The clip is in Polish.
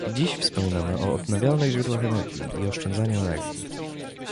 Dziś wspominamy o odnawialnych źródłach energii i oszczędzaniu energii